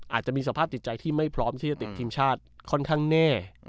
อาจจะมีสภาพจิตใจที่ไม่พร้อมที่จะติดทีมชาติค่อนข้างแน่